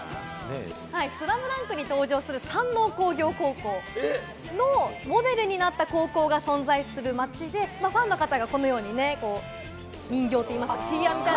『ＳＬＡＭＤＵＮＫ』に登場する、山王工業高校のモデルになった高校が存在する町で、ファンの方がこのように人気というかＰＲしていて。